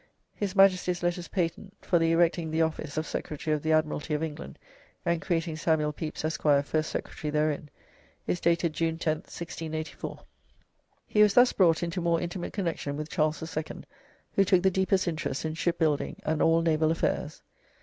"His Majesties Letters Patent for ye erecting the office of Secretary of ye Admiralty of England, and creating Samuel Pepys, Esq., first Secretary therein," is dated June 10th, 1684.] He was thus brought into more intimate connection with Charles II., who took the deepest interest in shipbuilding and all naval affairs.